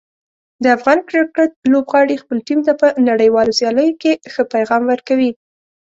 د افغان کرکټ لوبغاړي خپل ټیم ته په نړیوالو سیالیو کې ښه پیغام ورکوي.